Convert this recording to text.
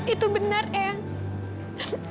itu benar ayah